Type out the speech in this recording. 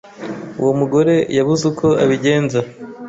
uwo mugore yabuze uko abigenza